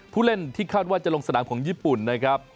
ผู้เล่นที่คาดว่าจะลงสนามของญี่ปุ่นนะครับ